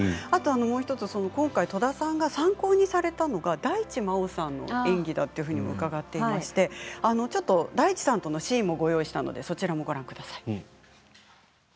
今回、戸田さんが参考にされたのが大地真央さんの演技だと伺っていまして大地さんとのシーンも用意したのでご覧ください。